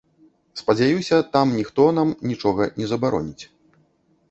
Спадзяюся, там ніхто нам нічога не забароніць.